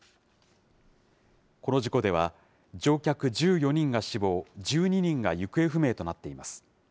この事故では、乗客１４人が死亡、１２人が行方不明となっています。